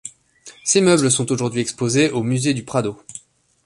Ces meubles sont aujourd'hui exposés au musée du Prado.